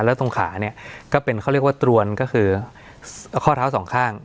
แล้วตรงขาเนี่ยก็เป็นเขาเรียกว่าตรวนก็คือข้อเท้าสองข้าง